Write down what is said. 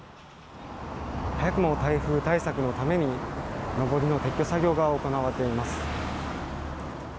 早くも台風対策のためにのぼりの撤去作業が行われています。